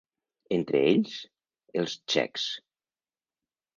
Entre ells els txecs.